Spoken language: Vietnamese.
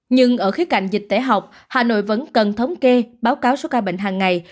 nhưng ở khía cạnh dịch tễ học hà nội vẫn cần thống kê báo cáo số ca bệnh hàng ngày